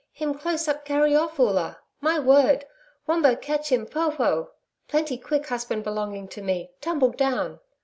Him close up carry off Oola. My word! Wombo catch him PHO PHO. Plenty quick husband belonging to me TUMBLE DOWN.'